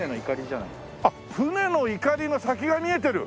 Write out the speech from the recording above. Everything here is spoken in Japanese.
あっ船の錨の先が見えてる。